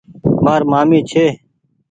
مآر مآمي ڇي ۔